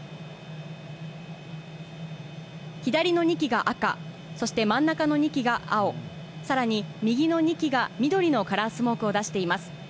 左の２機が赤、そして真ん中の２機が青、さらに右の２機が緑のカラースモークを出しています。